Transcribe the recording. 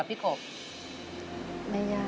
กลับมาเมื่อเวลาที่สุดท้าย